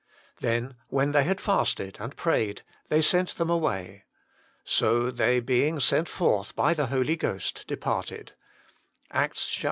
Then when they had fasted and prayed, they sent them away. So they, being sent forth by the Holy Ghost, departed." ACTS xiii.